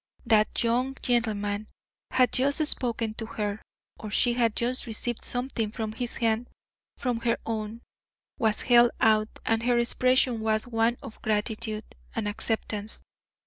That young gentleman had just spoken to her, or she had just received something from his hand for her own was held out and her expression was one of gratitude and acceptance.